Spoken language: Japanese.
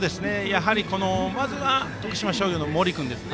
まず、徳島商業の森君です。